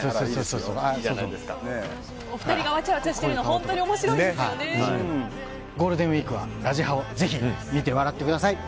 お二人がわちゃわちゃしてるのがゴールデンウィークは「ラジハ」をぜひ見て笑ってください。